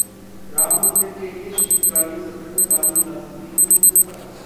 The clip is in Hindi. राम मंदिर के लिए शीतकालीन सत्र में कानून ला सकती है मोदी सरकार?